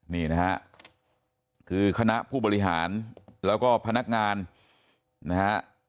นี่นะฮะคือคณะผู้บริหารแล้วก็พนักงานนะฮะ